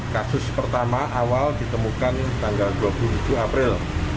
kasus pertama awal ditemukan tanggal dua puluh tujuh april